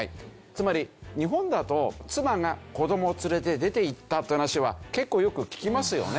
つまり日本だと妻が子どもを連れて出ていったという話は結構よく聞きますよね。